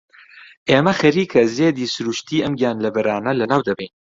ئێمە خەریکە زێدی سروشتیی ئەم گیانلەبەرانە لەناو دەبەین.